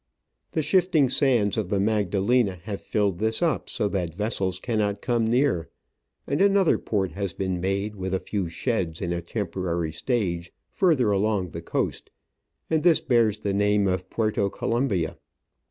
The shifting sands of the Magdalena have filled this up so that vessels cannot come near, and another port has been made, with a few sheds and a temporary stage, further along the coast, and this bears the name of Puerto Colombia.